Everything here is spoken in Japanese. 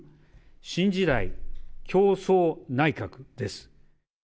新時代共創内閣です。